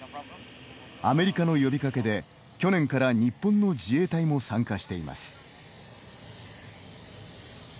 アメリカの呼びかけで、去年から日本の自衛隊も参加しています。